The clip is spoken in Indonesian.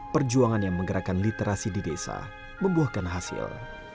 perjuangan yang menggerakkan literasi di desa membuahkan hasil